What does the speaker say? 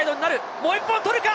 もう１本取るか？